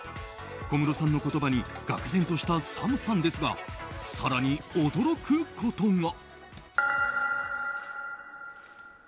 小室さんの言葉にがくぜんとしたＳＡＭさんですが更に驚くことが。